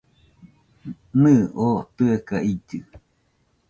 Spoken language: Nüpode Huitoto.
Nɨɨ, oo tɨeka illɨ .